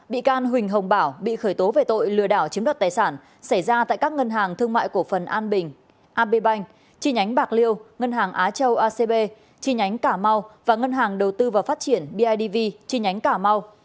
bị can huỳnh hồng bảo bị khởi tố về tội lừa đảo chiếm đặt tài sản xảy ra tại các ngân hàng thương mại của phần an bình ab bank chi nhánh bạc liêu ngân hàng á châu acb chi nhánh cả mau và ngân hàng đầu tư và phát triển bidv chi nhánh cả mau